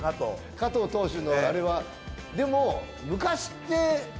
加藤投手のあれはでも。